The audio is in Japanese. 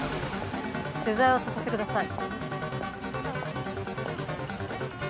取材をさせてください。